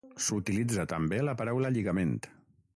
S'utilitza també la paraula lligament.